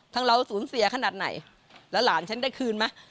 เราสูญเสียขนาดไหนแล้วหลานฉันได้คืนไหม